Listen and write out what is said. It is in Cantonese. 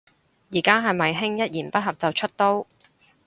而家係咪興一言不合就出刀